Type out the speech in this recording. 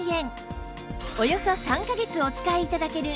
およそ３カ月お使い頂ける